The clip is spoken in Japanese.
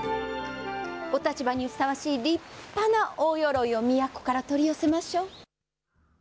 お立場にふさわしい立派な大よろいを都から取り寄せましょう。